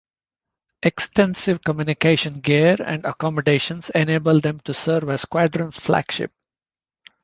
Extensive communication gear and accommodations enable them to serve as squadron flagship.